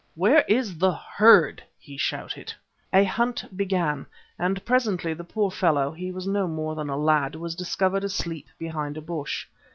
"Where is the herd?" he shouted. A hunt began and presently the poor fellow he was no more than a lad, was discovered asleep behind a bush.